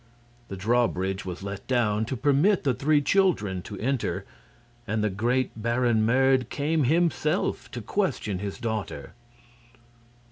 The drawbridge was let down to permit the three children to enter, and the great Baron Merd came himself to question his daughter.